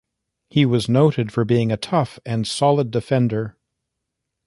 He was noted for being a tough and solid defender.